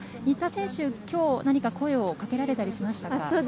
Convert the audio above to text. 新田選手、きょう何か声をかけられたりしましたか。